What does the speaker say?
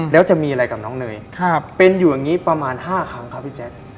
แล้วจะมีอะไรกับน้องเนยเป็นอยู่อย่างนี้ประมาณ๕ครั้งครับพี่แจ๊ค